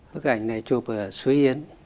bức ảnh này chụp ở suối yến